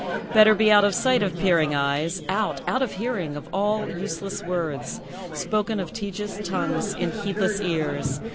Better be out of sight of peering eyes; Out out of hearing of all useless words, Spoken of tedious tongues in heedless ears.